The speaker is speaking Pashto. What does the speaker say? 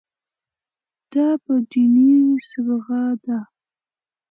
دا په دیني صبغه ده.